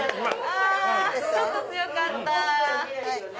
ちょっと強かった。